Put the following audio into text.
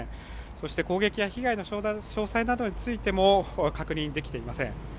そして攻撃や被害の詳細などについても確認できていません。